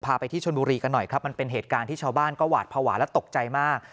พาไปที่ชนบุรีกันหน่อยครับมันเป็นเหตุการณ์ที่ชาวบ้านก็หวาดภาวะและตกใจมาก